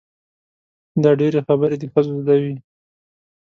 دا ډېرې خبرې د ښځو زده وي.